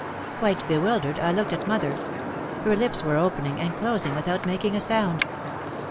Quite bewildered, I looked at mother. Her lips were opening and closing without making a sound.